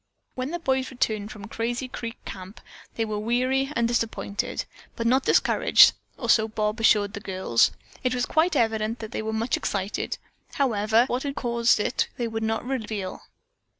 When the boys returned from Crazy Creek Camp they were weary and disappointed, but not discouraged, or so Bob assured the girls. It was quite evident that they were much excited, however, but what had caused it they would not reveal.